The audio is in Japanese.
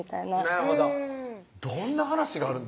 なるほどどんな話があるん？